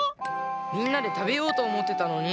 みんなでたべようとおもってたのに。